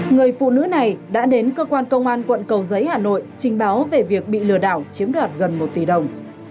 người phụ nữ này đã đến cơ quan công an quận cầu giấy hà nội trình báo về việc bị lừa đảo chiếm đoạt gần một tỷ đồng